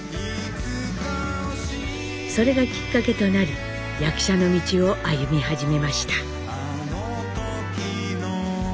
それがきっかけとなり役者の道を歩み始めました。